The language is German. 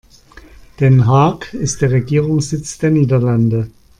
Den Haag ist der Regierungssitz der Niederlande.